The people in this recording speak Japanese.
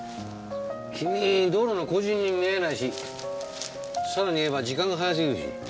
君道路の工事人に見えないしさらに言えば時間が早すぎるし。